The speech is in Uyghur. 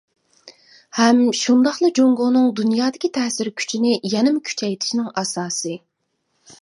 ھەم شۇنداقلا جۇڭگونىڭ دۇنيادىكى تەسىر كۈچىنى يەنىمۇ كۈچەيتىشىنىڭ ئاساسى.